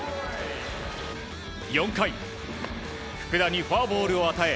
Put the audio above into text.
４回、福田にフォアボールを与え